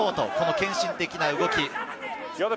献身的な動き。